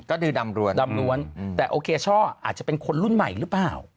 ก็คือดำรวนดำร้วนแต่โอเคช่ออาจจะเป็นคนรุ่นใหม่หรือเปล่า